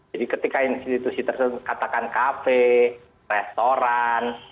jadi ketika institusi tersebut katakan kafe restoran